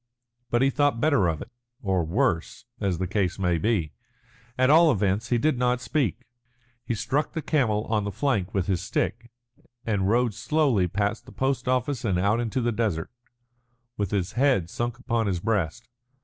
But he thought better of it, or worse, as the case may be. At all events, he did not speak. He struck the camel on the flank with his stick, and rode slowly past the post office and out into the desert, with his head sunk upon his breast.